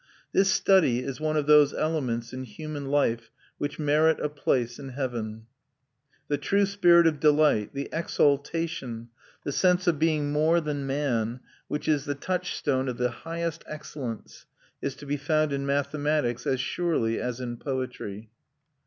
This study is one of "those elements in human life which merit a place in heaven." "The true spirit of delight, the exaltation, the sense of being more than man, which is the touchstone of the highest excellence, is to be found in mathematics as surely as in poetry."